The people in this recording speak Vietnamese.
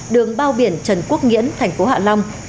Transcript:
đường bao biển trần quốc nghĩễn tp hạ long